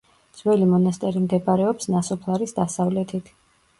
ძველი მონასტერი მდებარეობს ნასოფლარის დასავლეთით.